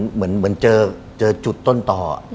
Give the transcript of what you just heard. เหมือนเจอจุดต้นต่อ